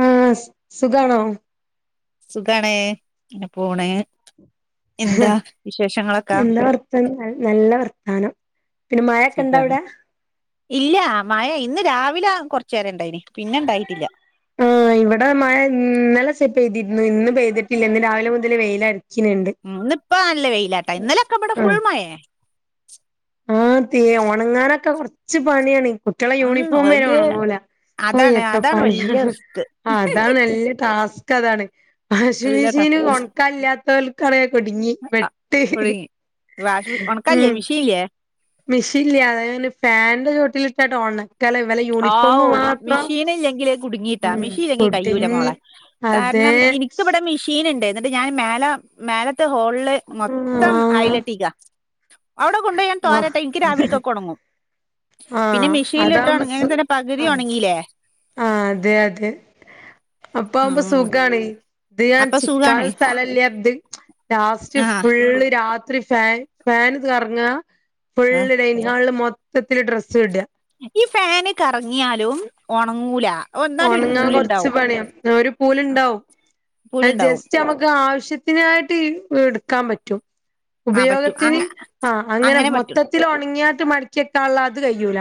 ആ, ആ സ് സുഖാണോ? സുഖാണ് പോണ് എന്താ വിശേഷങ്ങളൊക്കെ എന്താ വർത്തം നല്ല വർത്താനം പിന്നെ മഴൊക്കെ ഇണ്ടാ സുഖാണ് അവിടെ.... ഇല്ല മഴ ഇന്ന് രാവിലെ കൊറച്ച നേരം ഇണ്ടായിന് പിന്നെ ഇണ്ടായിട്ടില്ല... ആ ഇവിടെ മഴ ഇന്നലെ സെപ്പ് പെയ്തിരുന്നു ഇന്ന്പെയ്തിട്ടില്ല ഇന്ന് രാവിലെ മുതൽ വെയിലാണ് ഉ് ഇന്ന ഇപ്പാ നല്ല വെയിലാട്ടാ ഇന്നലെക്കെ ഇവിടെ ആഹ് ഫുൾമയേ..... ആഹ് തീയെ ഓണങ്ങനൊക്കെ കുറച്ച് പണിയാണ് കുട്ട്യാളെ ഉം യൂണിഫോം വരെ ഒരു ഓണങ്ങുല്ല ഓ അതാണ് എത്ര അതാണ് പണിയ വല്യ റിസ്ക് അതാണ് ല്ല ടാസ അതാണ് വാഷിംഗ ഇല്ലടാ മെഷീന് ഒണക്കല്ലാതോൽ കറയാ കുടിങ്ങി പെട്ട് കുടുങ്ങി വാഷ് ഒണക്കല്ലേ ഉം.... മിഷീൻല്ലേ മെഷീൻല്ലേ അതായ്ഞ് ഫാൻന്റെ ചോട്ടിലിട്ടാട്ട ഓണ ആ മെഷീൻ ഇല്ലെങ്കില് കുടുങ്ങിട്ടാ ഉം മെഷീൻെങ്കി കയൂല കുടുങ്ങി മോളെ. അത് കാരണം ഇനിക്കിവടെ മീഷീ ഷീൻുണ്ട് എന്നിട്ട് ഞാൻ മേല മേലത്തെ ഹോളില് മൊത്തം ഐലെട്ടിക്ക.... അവിടെ കൊണ്ട ഞാൻ തോരട്ട എനിക്ക് രാവിലക്കൊക്കെ ഉണങ്ങും ആ ആ പിന്നെ മെഷീനിൽ - അതാവുമ്പോ ട്ടങ്ങങ്ങെ സു തന്നെ ആ പകുതി ഉണങ്ങീല്ലേ. ആ അതെ അതെ അപ്പ ആവുമ്പോ ഉം സുഖാണ് ഇത് ഞാൻ അപ്പൊ സുഖാണ് ചിക്കാനും സ്ഥലല്ല ഇത് ലാസ്റ്റ് ആ ഫുള്ള്ത് ത്തിരി ഫാൻ ഫാൻ കറങ്ങ ഫുള്ള് ഡൈനി ഹാളില് മൊത്തത്തില് ഡ്രസ്സ് ഇട ഈ ഫാന് കറങ്ങിയാലും ഉണങ്ങൂല. എന്നാലും ഒരു ഉണങ്ങാൻ കൊറച്ച് പൂലുണ്ടാവും പണിയാം ഒരു പൂലുണ്ടാവും അ പൂലുണ്ടാവും ജസ്റ്റ് നമുക്ക് ആവശ്യത്തി ത്തിനായിട്ട് എടുക്കാൻ പറ്റും ആ പറ്റും ഉപയോഗത്തിന് അങ്ങ ആഹ് അങ്ങനെ മൊത്ത ത്തി ഉണങ്ങിയാട്ട മടിക്ക്കാനുള്ള തത് കഴ്യൂല.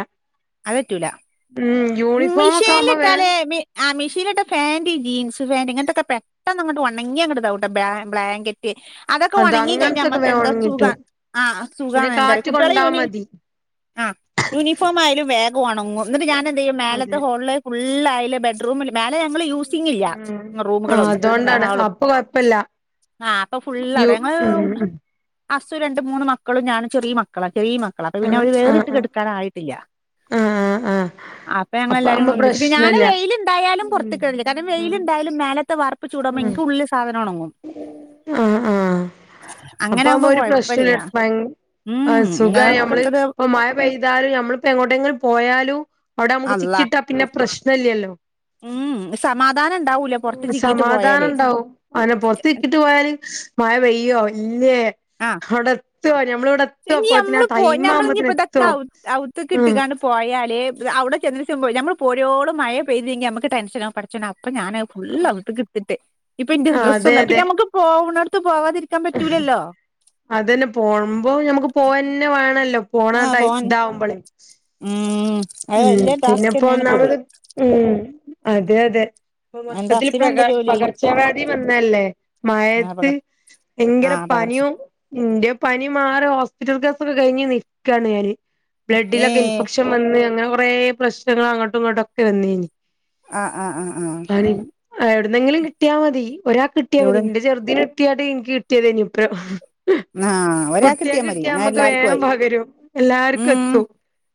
അതറ്റൂല മ യൂണിഫോം ഒക്കെ ആവുമ്പോ വേം മിഷീലിട്ടാല് മി ആഹ് മെഷീനിൽ ഇട്ടാ ഫാന്റ് ജീൻസ് ഫാാന്റ് ഇങ്ങനത്തെൊക്കെ പെട്ടാന്നങ്ങ്ട്ട് ഓണങ്ങി അങ്ങ്ട്ട് ഇതാവുട്ടോ ബ്ലാ ബ്ലാങ്കറ്റ് അതൊക്കെ അത് ഒണങ്ങി കഴിഞ്ഞ അങ്ങനത്തൊക്കെ നമ്മക്ക് വേം എന്താ സുഖ ഉണങ്ങിട്ടും ആ സുഖ പിന്നെ എന്താ കാറ്റ് കുട്ട്യാള കൊണ്ടാ യൂണി മതി ആഹ് യൂണിഫോം ആയാലും വേഗം ണങ്ങും. എന്നിട്ട് ഞാനെ എന്ത് ചെയ്യും മേലത്തെ അതെ ഹോളിൽ ഫുള്ള് അയൽ ബെഡ്റൂമിൽ മേലെ ഞങ്ങള് യൂസിങ്ല്ല ഉം ആഹ് റൂമുകളൊന്നും അതുകൊണ്ടാണ് ഹാളും. അപ്പൊ കൊഴപ്പല്ല ആഹ് അപ്പൊ യു ഫുള്ളവിടെ ഞങ്ങള്. ഉം ഉം അസു രണ്ട് മൂന്ന് മക്കളും ഞാനും ചെറിയ മക്കളാ ചെറിയ മക്കളാ അപ്പൊ പിന്നെ ആഹ് അവര് ആഹ് വേറിട്ട് ആഹ് കെടക്കാനായിട്ടില്ല. ആഹ് ആഹ് ആഹ് ആ അപ്പൊ അപ്പ ഞങ്ങളെല്ലാരുംൂ ആവുമ്പോ ഒന്നിുപ്പ ഞൻ പ്രശ്നല്ല വെയിലുണ്ടായാലും പുറത്ത കിടുന്നില്ല കാരണം ഉം വയിലുയാലും മേ ലത്തെ വാ.... ഇപ്പ ചൂടാവുമ്പം ഉം എനിക്ക് ഉുള്ളിലെ സാധനം ഒണങ്ങും. ആഹ് ആഹ് ആഹ് അങ്ങനെ അപ്പവുമ്പോ ആകുമ്പോ ഒരു പ്രശ്നുല്ല കൊഴപ്പല്ല ഭ ഉം സുഖമായി നമ്മള് ഇങ്ങക്കൊക്കത് ഇപ്പ മ..... പ്താലും നമ്മളിപ്പോ എങ്ങോട്ട എങ്കിലും പോയാലും അവിടെ നമുക്ക് ചിക്കി അള്ളാ ഇട്ടാ പിന്നെ പ്രശ്നല്ലല്ലോ.. ഉം സമാധാനം ഉണ്ടാവൂല പുറത്ത് ചിക്കീട്ട് പോയല് അനെ പുറത്ത് ചിക്കിട്ട് പോയല് മഴ പെയ്യോ ഇല്ലേ ആ അവിടെ എത്ത ഞമ്മള ഇവിടെ എത്തുവ ഇനി പോത്തിന് നമ്മള് പോ തൈമാവുമ്പോത്തിന എത്തുവോ ഉ... പോയാൽ അവിടെ ചെന്നെന്ന്മ്പോൾ നമ്മൾ പോരോളും മഴ പെയ്തെങ്കിൽ നമുക്ക് ടെൻഷനാവും പടച്ചോനെ അപ്പം ഞാൻ ഫുള്ള് അകത്ത്ക്ക് ഇട്ട്ത്ത്ട്ട്. ഇപ്പൊ ഇന്റെ ആഹ് ഡ്രസ്സ്‌ അതെ അതെ പിന്നെ മ്മക്ക് പോണടുത്ത് പോവാ ക്കാൻ പറ്റൂലല്ലോ. അതന്നെ പോണുമ്പോ നഞമ്മുക്ക് പോവാന്നെ വേണല്ലോ പോണ ടൈം ഇതാവുമ്പോളേ.... ഉമ് ഉം പിന്നെപ്പോ ഒന്നാമത് ഉം അതെ അതെ പ്പ എന്താ മൊത്തത്തിൽ പ്രക ഹസ്സിനെന്താ ജോലി പകർച്ചവാദി വന്നല്ലേ ആഹ് മഴത്ത് പകർ യങ്കര ആഹ് പകർച്ച പനിയും ഇന്റെ പനി മാറി ഹോസ്പിറ്റൽ ഗാസൊക്കെ കഴിഞ്ഞ് നിക്കാണ് ഞാന് ബ്ലഡിലൊക്കെ ഏഹ് ഇൻഫെക്ഷൻ വന്ന് അങ്ങനെ കൊറെ പ്രശ്നങ്ങള് അങ്ങോട്ടും ഇങ്ങോട്ടൊക്കെ വന്നിനി ആഹ് ആഹ് ആഹ് ആഹ് അ എവിടുന്നെങ്കിലും കിട്ടിയാൽ മതി ഒരാൾ കിട്ടിയാൽ മതി എവിടെ നിന്റെ ചെറു.... [unintelligible] എനിക്ക് കിട്ടിയത്നി ഇപ്പം.... ആഹ് ഒരാക്ക് കുട്ട്യാൾക്ക് മതി കിട്ടിയാ ന്നാ നമ്മക്ക് എല്ലാർക്കും വേൻ ആയി പകരും എല്ലാർക്കും ഉം എത്തും.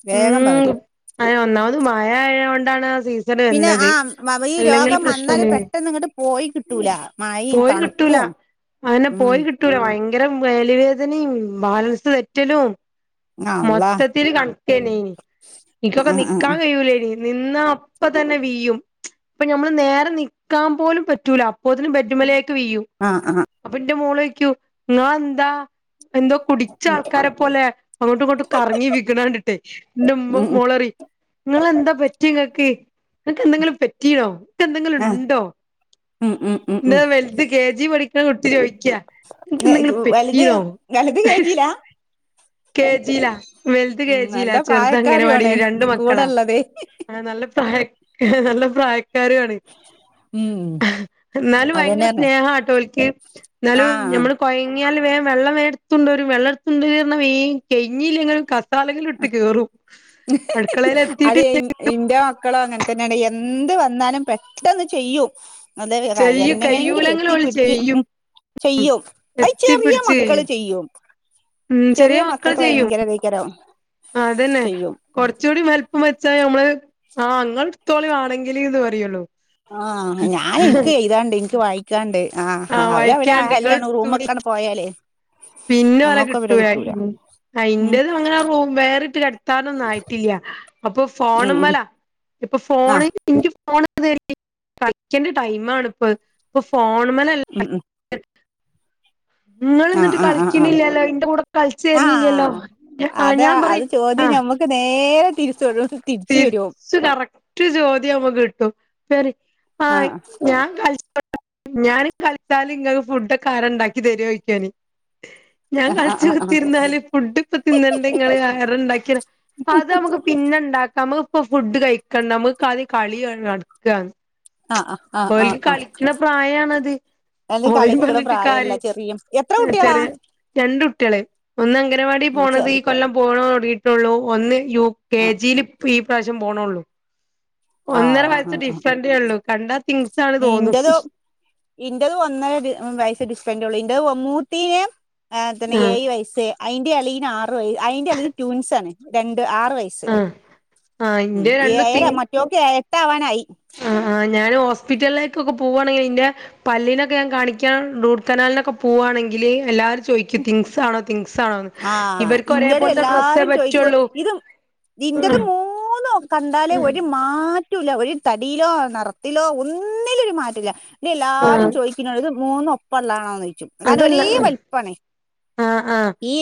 വേഗം പകരും. ആഹ് ഒന്നാമത് മാഴയായകൊണ്ടാണ് ആ പിന്നെ ആ [unintelligible] വ- ഈ അല്ലെങ്കിൽ രോഗം വന്നാല് പ്രശ്നല്ലേനി, പെട്ടെന്ന് ഇങ്ങോട്ട് പോയി കിട്ടൂല മഴയും പോയി കിട്ടൂലാ തണുപ്പും അയെന്നെ ഉം പോയി കിട്ടൂല, വയങ്കര മേലുവേദനിം, ബാലൻസ് തെറ്റലും അള്ളാ മൊത്തത്തില് കണക്കെന്നേന് ഇൻക്കൊക്കെ ആ നിക്കാൻ കയൂലേനി, നിന്നാ അപ്പതന്നെ വീയും. അപ്പൊ നമ്മള് നേരെ നിക്കാൻ പോലും പറ്റൂല അപ്പോത്തിനും ബെഡുമ്മലേക്ക് വീയും ആഹ് ആഹ് അപ്പൊന്റെ മോളോയ്ക്കു ഇങ്ങളെന്താ എന്തോ കുടി ച്ചാൾക്കാരെപോലെ, അങ്ങട്ട്ങ്ങട്ടും കറങ്ങി വിക്ണണ്ട്ട്ടേ ന്റമ്മു ഉം ഉം പറി, നിങ്ങളെന്താ പറ്റിയെങ്ങക്ക്, ഇങ്ങക്കെന്തെങ്കിലും പറ്റീണോ? ആ എന്തെങ്കിലുണ്ടോ? ഉം ഉം ഉം ഇന്റെ ഉം വൽത് കേജീ പഠിക്ക്ണ കുട്ടി ചോദിക്ക്യാ ഏ, ൻക്കെന്തെങ്കിലും വലുത് പറ്റീനോ? വലുത് കേട്ടില്ല കേജീലാ. വെൽത് ഉം കേജീലാ, നല്ല പ്രായക്കാരിയാണ് ചെറുതംഗനവാടില് രണ്ട് കൂടെ മക്കളാ. ഉള്ളത് ആഹ് നല്ല പ്രായ നല്ല പ്രായക്കാരുആണ്. ഉം എന്നാലും വയങ്കര അതന്നെ പറഞ്ഞെ. സ്നേഹാട്ടോ ഓല്ക്ക്. ആ ഇന്നാലും നമ്മള് കൊയങ്ങിയാൽ വേം വെള്ളം വേം ഇട്തൊണ്ടരും, വെള്ളം ഇട്ത്തൊണ്ടര് പർഞ്ഞാ വേം കയിഞ്ഞില്ലെങ്ങള് ക തലേലിട്ട് കേറും. അടുക്കളേല് എത്തിയിട്ട് അത്കയ്ഞ്ഞ് ഇന്റെ മക്കളു അങ്ങൻത്തന്നേണ്. എന്ത് വന്നാലും പെട്ടെന്ന് ചെയ്യും [unintelligible] എ ചെയ്യും ന്നങ്ങനെങ്കിലും കയ്യൂലെങ്കിലും ഓല് എത്തിപ്പിടിച്ച് ചെയ്യും ചെയ്യും, അയ് ചെറിയമക്കള് ചെയ്യും. ഉം ചെറിയ മക്കക്ക് ഭയങ്കര തെയ്കരം ആഹ് അതെന്നെ കൊറച്ചൂടി വൽപ്പം വെച്ചാ ഞമ്മള്, ആ ഇങ്ങള്ട്ത്തോളി വാണെങ്കില്ന്ന് പറയൊള്ളൂ. ആഹ് ഞാൻ എനിക്കെയ്താന്ണ്ട് എനിക്ക് വായിക്കാന്ണ്ട് ആ ആഹ് അവര് അവര് വഴിക്കാണ്ട് എല്ലാരും റൂമ്ക്കങ്ങ്ണ്ട് പോയാലേ പിന്നോലെ നമ്മക്ക് അവരെ കിട്ടൂല മ്. അ ഉം ഇന്റെതുഅങ്ങനെ റൂം വേറിട്ട് കെടത്താനൊന്നായിട്ടില്ല. അപ്പൊ ഉം ഫോണ് ഉം മ്മലാ ഇപ്പൊ ഫോണ് ആഹ് ഇൻക്ക് ഫോണ് [unintelligible] കളിക്കണ്ട ടൈമാണിപ്പത്. ഇപ്പൊ ഫോണ്മ്മലല്ല ഉം ഉം ആഹ് ഇങ്ങള്ന്ന്ട്ട് ആഹ് ആഹ് ആഹ് കളിക്ക്ണില്ലല്ലോ, ഇന്റെ കൂടെ കൾച്ചെര്നില്ലല്ലോ, ആഹ് ആഹ് അതാ ഞാൻ പറിം അത് ചോദ്യം ആഹ് ഞമ്മക്ക് നേരെ തിര്ച്ച് ഒരൂസം തിര്ച്ചു വരും. [unintelligible] കറക്റ്റ് ചോദ്യമ്മക്ക് കിട്ടും. [unintelligible] ആ ആഹ് ഞാൻ കൾ ഞാന് കളിച്ചാല് ഇങ്ങക്ക് ഫുഡൊക്കാരാ ഇണ്ടാക്കി തര്ആ ചോയ്ക്കാന് ഞാൻ ആഹ് ആഹ് കളിച്ച് ആഹ് കുത്തിരുന്നാല്, ഫുഡ് ഇപ്പതിന്നണ്ടങ്ങള് ആഹാരണ്ടാക്യര അതമുക്ക് പിന്നണ്ടാക്കാ, നമ്ക്ക്പ്പൊ ഫുഡ് കഴിക്കണ്ട നമക്ക് കളി കളി [unintelligible] നടക്ക ആഹ് ആഹ് ആഹ് ഓൽക്ക് ആഹ് കളിക്ക്ണ പ്രായാണത് അത് ഓലേം കളിക്കണ പറഞ്ഞ്ട്ട് പ്രായല്ല കാര്യ ചെറിയ എത്ര കുട്ടികളാ [unintelligible] രണ്ടുട്ട്യള്, ഒന്ന് അംഗനവാടി ഉം പോണത് ഈ ചെറ് കൊല്ലം പോണ് തൊട്ങ്ങീട്ടൊള്ളൂ, ഒന്ന് യു കെ ആഹ് ജീല് ഈ പ്രാവശ്യം പോണുള്ളു. ഒന്നര വയസ് ഡിഫ്റന്റേയുള്ളൂ കണ്ടാ തിങ്സ് ആണ് തോന്നും ഇന്റതും, ഇന്റത് ഒന്നര ദി വയസ്സ് ഡിഫ്റന്റൊള്ളു ഇന്റത് മൂത്തീന് ആഹ് അങ്ങൻതന്നെ, ആഹ് ഏയ് വയസ്സ്, അയിന്റെ എളീന് ആറ് വയ അയിന്റെ എളീ ട്വൂൻസാണ്, രണ്ട് ആറ് വയസ് ആഹ് ഇന്റെ [unintelligible] രണ്ടു തി ഏയര മറ്റോക്ക് ഏ എട്ടാവാനായി ആഹ് ആഹ് ഞാന് ഹോസ്പിറ്റലിലേക്കൊക്കെ പോവ്വാണെങ്കിലിന്റെ പല്ലിനൊക്കെ ഞാൻ കാണിക്കാൻ റൂട്ട് കനാലിനൊക്കെ പോവ്വാണെങ്കില്, എല്ലാരും ചോയിക്കും ട്വിങ്സാണോ തിങ്സാണോന്ന്, ആഹ് ഇവർക്കൊരേ ഇന്റത് പോലത്തെ ഡ്രസ്സേ എല്ലാരും ചോയിക്കും പറ്റൊള്ളൂ ഇത് ഉം. തി കണ്ടാലേ ഒരു മാറ്റൊല്ല ഒരു തടിയിലോ നിറത്തിലോ ഒന്നിലും ഒരു മാറ്റല്ല എല്ലാരും ആഹ് ചോയ്ക്കുന്നോട് ഇത് മൂന്ന് ഒപ്പം ഉള്ളാണോന്നോയിച്ചു അതല്ല ആഹ ആഹ ഈ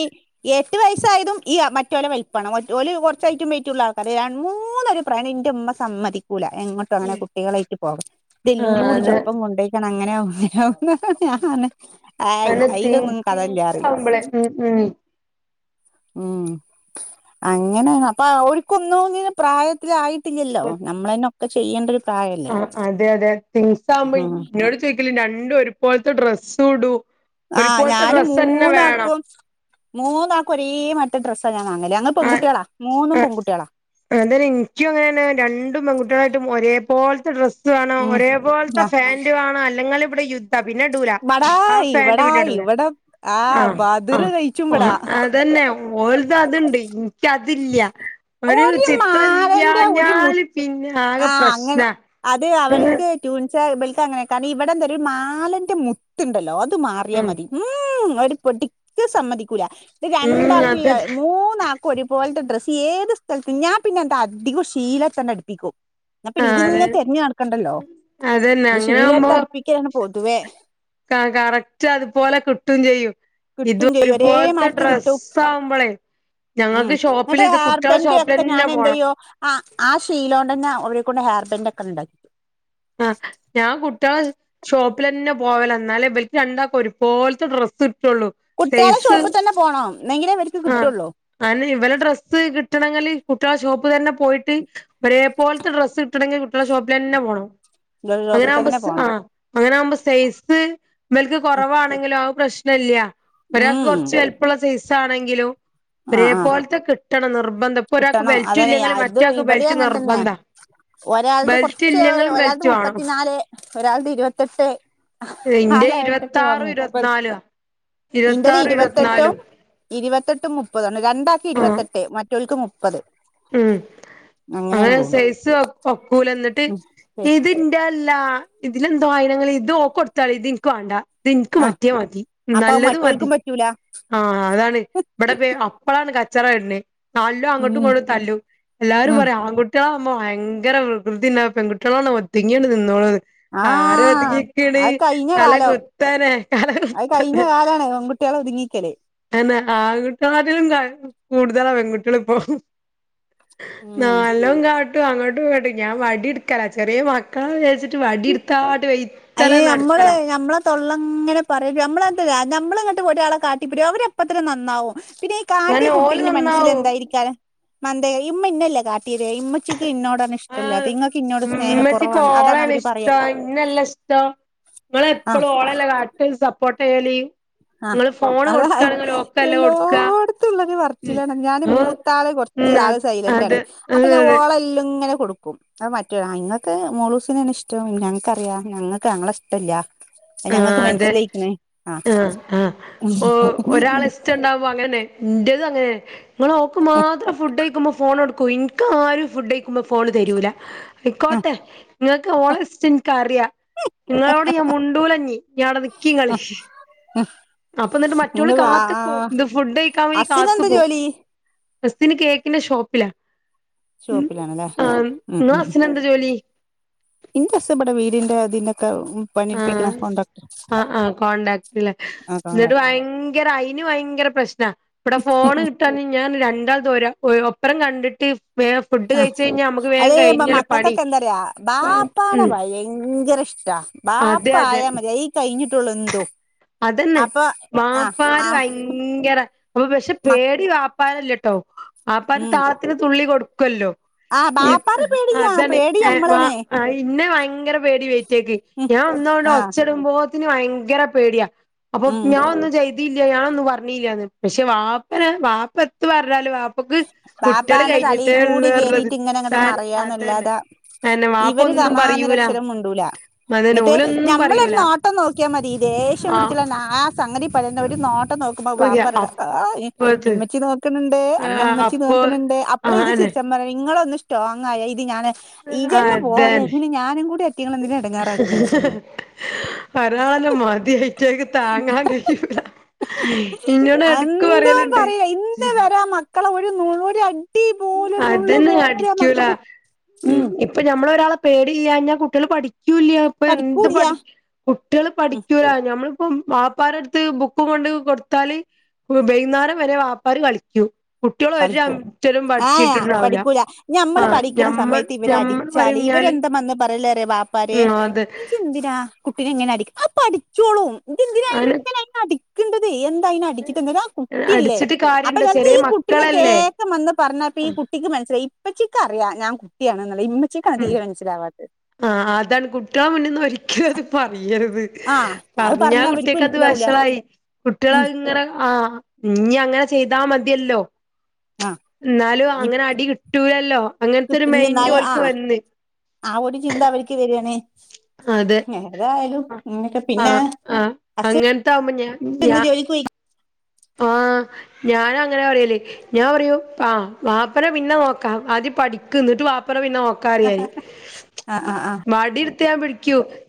എട്ട് വയസ്സായതും ഈ മറ്റോല വലുപ്പാണ് ഓല് കുറച്ച് ഹൈറ്റും വെയിറ്റുള്ള ആൾക്കാരാണ് രണ്ട് മൂന്ന് പേ ഈ പറയണ എന്റെ ഉമ്മ സമ്മതിക്കൂല എങ്ങോട്ടും അങ്ങനെ കുട്ടികളായിട്ട് പോവാന് ഇതെല്ലും ആഹ് അതെ കൂടിച്ചൊപ്പം കൊണ്ടോയ്ക്കണം അങ്ങന അങ്ങ ആഹ് അയിലൊന്നും കഥയില്ലാറയും അപ്പളേ ഉം ഉം ഉം അങ്ങനേണ് അപ്പ ഓരക്കൊന്നും പ്രായത്തിലായി ഇട്ടിലല്ലോ നമ്മളന്നെ ഒക്കെ ചെയ്യേണ്ട ഒരു പ്രായല്ലേ ആ അതെ അതെ ട്യൂൻസ് ആകുമ്പോ ഉം എന്നോട് ചോദിക്കല് രണ്ടും ഒരു പോലത്തെ ഡ്രസ്സുടും ആഹ് ഞാന് മൂന്നാക്കും മൂന്ന് ആൾക്കും ഒരേ മാതിരിയത്ത ഡ്രസ്സാ ഞാൻ വാങ്ങല് ഞങ്ങൾ പെൺകുട്ടികളാ മൂന്നും പെൺകുട്ടികളാ ഏതായാലും എനിക്കും അങ്ങനന്നെ രണ്ടും പെൺകുട്ടികളായിട്ടും ഒരേ പോലത്തെ ഡ്രസ്സ് വേണം ഒരേ ഉം പോലത്തെ പാൻ്റു വേണം അല്ലെങ്കിൽ ഇവിടെ യു പിന്നെഡൂല ഇബടാ ആ പാൻ്റ് ഇവടാ പിന്നെടൂല ഇവടെ ആ ആഹ് ബദ്ർ ആഹ് കഴിച്ചുംബടാ ആഹ് അതന്നെ [unintelligible] അതില്ല ഒരു ചിത്രം മാലന്റെ ഒരു മു ഇല്ലഞ്ഞാല് പിന്നെ ആക പ്രശ്ന ട്യുൻസാ ഇവർക്കങ്ങന കാരണം ഇവിടെ എന്താ ഒരു മാലന്റെ മുത്ത് ഇണ്ടല്ലോ അത് മാറിയാൽ ഉം മതി ഉം ഒരു പൊടിക്കും സമ്മതിക്കൂല ഇത് ഉം രണ്ടാക്കും അതെ മൂന്നാ ഒരുപോലത്ത ഡ്രസ്സ് ഏത് സ്ഥലത്തും ഞാൻ പിന്നെ എന്താ അധികം ശീല ഭൂ അങ്ങട്ട് എടുപ്പിക്കും എന്ന ആ പിന്നെ അതെ ഇതിങ്ങനെ തെരഞ്ഞ് നടക്കണ്ടല്ലോ അതന്നെ അങ്ങനെ ശീല എടുത്തടുപ്പിക്കലന്ന പൊതുവേ ക കറക്റ്റ് അതുപോലെ കിട്ടും ചെയ്യും. ഇത് കിട്ടും ചെയ്യും ഒരേ ഒരുപോലത്തെ മാരിത്തെ കിട്ടും ഡ്രസ്സ് ആവുമ്പോളെ ഉം ഞങ്ങൾക്ക് എന്നിട്ട് ഷോപ്പില് ഇത് കുട്ടികളെ ഷോപ്പിലന്നെ പോണം. ആഹ് ആ ശീലോണ്ടെന്ന ഓലെ കൊണ്ട് ഹെയർ ബാൻഡ് ഒക്കെ ഇണ്ടാക്കി ആഹ് ഞാൻ കുട്ടികള ഷോപ്പിലന്നെ പോവല എന്നാലേ ഇവർക്ക് രണ്ടാക്കും ഒരുപോലത്തെ ഡ്രസ്സ് കിട്ടുള്ളൂ കുട്ടിയളെ സൈസ് ഷോപ്പിൽ തന്നെ പോണം എങ്കിലെ ഇവർക്ക് കിട്ടൊള്ളു അതിന് ഇവല ഡ്രസ്സ് കിട്ടണെങ്കില് കുട്ടികളെ ഷോപ്പിലന്നെ പോയിട്ട് ഒരേ പോലത്തെ ഡ്രസ്സ് കിട്ടണങ്കിൽ കുട്ടികള ഷോപ്പിലന്നെ പോണം അങ്ങനെ ഷോപ്പിൽ ആകുമ്പ തന്നെ ഡ്രസ്സ് പോണം അങ്ങനെ ആകുമ്പോ സൈസ് ഇവൾക്ക് കൊറവാണെങ്കിലും പ്രശ്നം ഇല്ല. ഒരാക്ക് ഉം കുറച്ച് വലുപ്പമുള്ള സൈസ് ആണെങ്കിലും ആ ഒരേ ആ പോലത്തെ കിട്ടണം നിർബന്ധം ഇപ്പൊ ഒരാൾക്ക് കിട്ടണം ബെൽറ്റ് അതാണെയ് ഇല്ലെങ്കിൽ അത് മറ്റേയാൾക്ക് ഇപടേം ബെൽറ്റ് അങ്ങനത്തന്നെ നിർബന്ധ ഒരാളത് ബെൽറ്റ് കുറച്ച് ഇല്ലെങ്കിലും ഒരാളത് ബെൽറ്റ് വേണം മുപ്പത്തി മുപത്തി നാല് ഒരാൾടെ ഇരുപത്തെട്ട് ആ ഇന്റെ ലെവൽ കൊക്കെ വാങ്ങ ഇരുപത്താറും മുപ്പത് ഇരുപത്തിനാലുവാ ഇന്റത് ഇരുപത്താറും ഇരുവത്തെട്ടും ഇരുപത്തിനാലും ഇരുവത്തെട്ടും മുപ്പതുമാണ് രണ്ടാൾക്ക് ആഹ് ഇരുവത്തെട്ട് മറ്റാൾക്ക് മുപ്പത് ഉം അങ്ങനെയാണ് അങ്ങനെ പോകണ്ട് സൈസ് ഒക്കൂല എന്നിട്ട് ഇത ഇത് എൻ്റെ അല്ല ഇതിലെന്തോ ആയി നിങ്ങൾ ഇതോൾക്ക് കൊടുത്താളി ഇത് എനിക്ക് വാണ്ട ഇതിൻക്ക് ആ മറ്റേ മതി അപ്പൊ നല്ലത് മതി മറ്റോൾക്കും പറ്റൂല ആ അതാണ് ഇവിടെ പ അപ്പളാണ് കച്ചറ വരുന്നെ നല്ല ഉം അങ്ങോട്ടും ഇങ്ങട്ടും തല്ലും എല്ലാരും ഉം പറയും ആൺകു ഇവറ്റളാവുമ്പൊ ഭയങ്കര വികൃതി ഇണ്ടാവും പെൺകുട്ട്യാളാവുമ്പം ഒതുങ്ങിങ്ങട്ട് നിന്നോളും ആര് ആഹ് ഒതുങ്ങി നിക്കണ് അത് കഴിഞ്ഞ തല കുത്തനെ തല കുത്തനെ പ്പതാണ് പെൺ കുട്ട്യൾ ഒരുങ്ങി നിക്കല് അയന്നെ ആൺകുട്ടാട്ടിലും കൂടുതലാ പെൺകുട്ടികളിപ്പോ ഉം നല്ലോം കാ ടഅങ്ങോട്ടും ഇങ്ങോട്ടും ഞാൻ വടി എടുക്കല ചെറിയ മക്കളാ വിചാരിച്ചിട്ട് വടി എടുത്താണ്ട് വയി അയിന് നമ്മള് നമ്മളെ തൊള്ളങ്ങനെ പറേം ഇപ്പൊ നമ്മളെന്ത് നമ്മളെങ്ങട്ട് ഒരാളെ കാ അവര് അപ്പത്തന്നെ നന്നാവും പിന്നെ ഈ കാട്ടിയ ഇന്നാ ഓല് കുട്ടിന്റെ മനസ്സിൽ നന്നാവും എന്തായിരിക്കാല് ഇമ്മ ഇന്നെല്ലെ കാട്ടിയേത് ഇമ്മ ച്ചിക്ക് ഇന്നോടാണ് ആഹ് ഇങ്ങക്ക് ഇന്നോട് സ്നേഹ കുറവാണ് അതാണ് അവര് പറയാ ഇന്നെല്ല ഇഷ്ടം ആ ഇങ്ങളെപ്പളും ഓളല്ല കാട്ട് സപ്പോർട്ട് ചെയ്യല് ആഹ് നിങ്ങള് ഫോണ് അതായി കൊടുക്കാണെങ്കിൽ ഓക്കല്ലേ കൊടുക്ക എല്ലോടത്തുംള്ളൊരു ഉം പർച്ചിലാണ് ഞാന് ഉം മൂത്താള് കൊറച് ഉം ച്ച് ആള് സൈലന്റ് ആണെ അതെ അപ്പൊ ഞാൻ അതെ അതെ ഓള എല്ലാം ഇങ്ങനെ കൊടുക്കും. ക്കും അത് മറ്റോ ആ ഇങ്ങൾക്ക് മോളൂസിനെയാണ് ഇഷ്ടം ഞങ്ങക്കറിയാം ഞങ്ങൾക്ക് ഞങ്ങളെഷ്ടല്ല. ആഹ് അതെ. ആഹ് ഓ ഒരാളഷ്ടണ്ടാവുമ്പോ അങ്ങനെ ഇന്റതും അങ്ങനെ ഇങ്ങള് ഓൾക്ക് മാത്രം ഫുഡ് കഴിക്കുമ്പോ ഫോൺ കൊടുക്കും ഇനിക്ക് ആരും ഫുഡൈ ക്കുമ്പോ ഫോൺ തരൂല ആയിക്കോട്ടെ ഇങ്ങൾക്ക് ഓളെ ഇഷ്ടം ഇനിക്കറ്യാ ഇങ്ങളോട് ഞാൻ മുണ്ടൂലഞ്ഞി ഞാവടെ നിക്കിങ്ങള് ഹും അപ്പൊ എന്നിട്ട് മറ്റോള് കാത്ത്ക്കും ഇത് ഫുഡ് കഴിക്കാൻ വേയി ഹസ്സിനെന്താ കാത്തുക്കും. ജോലി ഹസ്ബൻ്റ് കേക്കിന്റെ ഷോപ്പില ഷോപ്പിലാണല്ലേ ആഹ് ഉം ഇങ്ങളെ ഹസിൻ എന്താ ജോലി ഇന്റെ ഹസ് ഇവിടെ വീടിന്റെ ഇതിന്റെക്കെ പണിടുപ്പിക്കണ കോണ്ട്രാ ആ ആ കോൺടാക്ടില് ആഹ് എന്നിട്ട് കോൺട്രാക്ടർ ഭയങ്കര അയിന് ഭയങ്കര പ്രശ്നാ ഇബടെ ഫോണ് കിട്ട് ഞാൻ രണ്ടാൾതോരാ ഒപ്പരം കണ്ടിട്ട് വേം ഫുഡ് ആ കഴിച്ച് കഴിഞ്ഞാ നമുക്ക് വേം അത് ഇപ്പൊ കഴിഞ്ഞല്ലോ പണി മക്കൾക്കൊക്കെ എന്താറിയോ ബാപ്പാനെ ഉം ഭയങ്കര ഇഷ്ടാ ബാപ്പ അതെ അതെ ആയാ മതി അയി കഴിഞ്ഞിട്ടുള്ളു എന്തും. അതന്നെ അപ്പൊ ആ ആ ബാപ്പാര് ഭയങ്കര അപ്പൊ പക്ഷെ മ പേടി വാപ്പാരല്ലട്ടോ വാപ്പാര് ഉം താളത്തിന് തുള്ളി കൊടുക്കുവല്ലോ ആ ബാപ്പാനെ പേടിയാ പേടി നമ്മളാണ് ഇന്നെ ഭയങ്കര പേടി വൈറ്റേക്ക് ഉം ഞാൻ ഒന്നുങ്കട്ട് ആ ഒച്ചിടുമ്പോത്തിന് ഭയങ്കര പേടിയാ അപ്പൊ ഉം ഞാനൊന്നും ചെയ്തിയില്ല ഞാനൊന്നും പറഞ്ഞില്ലാന്ന് പക്ഷെ വാപ്പന വാപ്പ എത്ത് പറഞ്ഞാലും ഓക്ക് കുട്ട്യാൾ ബാപ്പാന്റെ തലയിൽ കഴിഞ്ഞിട്ടേ ഉള്ളൂ കൂടി പറഞ്ഞത് കേറിയിട്ട് ഇങ്ങനെ അങ്ങോട്ട് താ അതന്നെ. മറിയാന്നല്ലാതെ അയന്നെ വാപ്പ ഇവര് ഒന്നും ഗമാന്ന് പറയൂല ഒരക്ഷരം മുണ്ടൂല അതന്നെ എന്നിട്ട് ഓലൊന്നും ഞമ്മളൊരു പറയൂല. നോട്ടം നോക്കിയാ മതി ദേഷ്യം ആ പിടിച്ചുള്ള നാ ആ സംഗതി പറയുന്ന ഒരു നോട്ടം വപ്പറഞ്ഞല്ലോആ അപ്പത് ഇമ്മച്ചി നോക്ക്‌ണിണ്ടേ ആ ഇന്നെമ്മച്ചി അപ്പൊ നോക്കണ് ണ്ട് അപ്പള് ഇത് ആനെ ചിരിച്ചമ്പറാ ഇങ്ങളൊന്ന് സ്ട്രോങ് ആയ ഇത് ഞാന് ഈജന്നെ പോരേ അതന്നെ പിന്നെ ഞാനും കൂടി എത്തിയെന്തിനാ എടങ്ങാറാക്കണ് ഒരാളന്നെ മതി താങ്ങാൻ കഴിയൂല ഇന്നോട് എടക്ക്‌ പറയലുണ്ട്. ക്കള ഒരു നൂളോടിയായ് അതന്നെ അടിക്കൂല ഉം ഇപ്പൊ ഞമ്മള് ഒരാളെ പേടില്ലാഞ്ഞാൽ കുട്ട്യാള് പഠിക് ക്ക്യൂല്യ ഇപ്പന്ത് പഠിക്കൂല്ല പടി കുട്ട്യാള് ഉം പഠിക്കൂല ഞമ്മളിപ്പ വാപ്പാരടുത്ത് ബുക്കും കൊണ്ട് കൊടുത്താല് ഓര് വൈന്നാരം വരെ വാപ്പാര് കളിക്കും കുട്ട്യാള് ഒരു കളിക്കും രോം ആഹ് പഠിച്ചിട്ടുണ്ടാവില്ല പഠിക്കൂല ആ ഞമ്മള് പഠിക്കണ ഞമ്മൾ സമയത്ത് ഇവര് ഞമ്മൾ അടിച്ചാല് പറഞ്ഞാല് ഇവരെന്താ അതെ. ഇയ്യെന്തിനാ കുട്ടീനെങ്ങനെ അടി അത് പഠിച്ചോളും ഇയ്യെന്ത് അങ്ങനെ ഞ്ഞയിനെ അടിക്ക്ണ്ട്തേ എന്താ അയ്നെ അടിച്ചിട്ടെന്താ ത് ഓൻ കുട്ടിയല്ലേ അടിച്ചിട്ട് അപ്പൊ കാര്യണ്ടോ ഞാ ഞീ ചെറിയ കുട് ട്ടിനെ മക്കളല്ലേ കേൾക്കം വന്ന് പറഞ്ഞപ്പ ഈ കുട്ടിക്ക് മനസ്സിലായി ഇപ്പച്ചിക്ക് അറിയാം ഞാൻ കുട്ടിയാണെന്നുള്ളെ ഉം തീരെ മനസ്സിലാവാത്തത് ആഹ് അതാണ് കുട്ട്യാളെ മുന്നിന്ന് ഒരിക്കലും അത് പറയരുത്. ആഹ് അത് പർഞ്ഞാ പറഞ്ഞാ അവര്ക്ക് കുട്ട്യേക്കത് മനസ്സിലാവൂല വഷളായി. ഉം കുട്ടിളഅ് ങ്ങനെ ആഹ്. ഇഞ്ഞ് അങ്ങനെ ചെയ്താ മതിയല്ലോ. ആഹ് ന്നാലും ഇ അങ്ങനെ അടി കിട്ടൂലല്ലൊ. അങ്ങൻത്തെരു മൈന്റ് ഇന്നാലും ഓൽക്ക് ആഹ് വന്ന്. ആ ഒരു ചിന്ത അവര്ക്ക് വരാണ്. അതെ ഏതായാലും ഇങ്ങനൊക്കെ പിന്നെ ആഹ്-ആഹ് ഹസ് -അങ്ങനത്തെ ആവുമ്പോ ഞ ഞ ഇന്ന് ജോലിക്ക് പോയി ആഹ് ഞാനും അങ്ങനെ പറയല്. ഞാ പറയും. ആ വാപ്പനെ പിന്നെ നോക്കാം. ആദ്യം പഠിക്ക്. ന്ന്ട്ട് വാപ്പനെ പിന്നെ നോക് കാറിയാല് ആ ആ ആ വടിട്ത്ത് ഞാൻ പിടിക്കും.